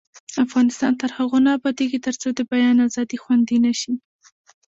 افغانستان تر هغو نه ابادیږي، ترڅو د بیان ازادي خوندي نشي.